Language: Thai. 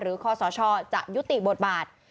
หรือคอสชจะยุติบทบาท